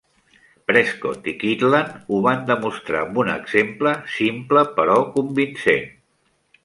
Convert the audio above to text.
Prescott i Kydland ho van demostrar amb un exemple simple però convincent.